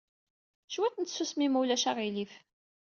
Cwiṭ n tsusmi, ma ulac aɣilif.